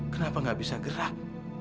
kenapa nggak bisa gerak